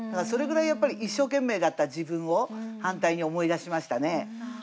それぐらいやっぱり一生懸命だった自分を反対に思い出しましたね。